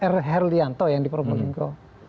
r herlianto yang di probolinggo